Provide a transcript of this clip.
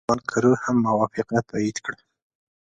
ناتان کرو هم موافقه تایید کړه.